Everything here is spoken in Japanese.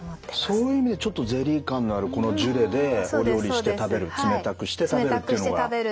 そういう意味でちょっとゼリー感のあるこのジュレでお料理して食べる冷たくして食べるっていうのが効果的だと。